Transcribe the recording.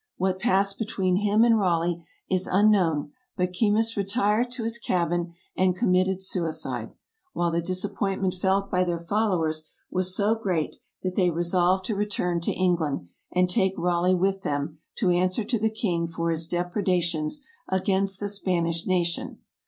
What passed between him and Raleigh is un known, but Keymis retired to his cabin and committed suicide ; while the disappointment felt by their followers was so great that they resolved to return to England, and take VOL. VI. — 5 52 TRAVELERS AND EXPLORERS Raleigh with them to answer to the king for his depreda tions against the Spanish nation.